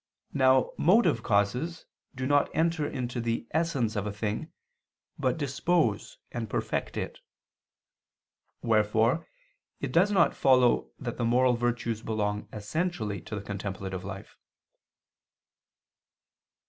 Now motive causes do not enter into the essence of a thing, but dispose and perfect it. Wherefore it does not follow that the moral virtues belong essentially to the contemplative life.